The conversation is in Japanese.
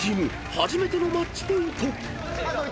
初めてのマッチポイント］